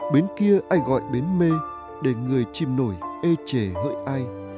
bến kia ai gọi bến mê để người chìm nổi ê chề hỡi ai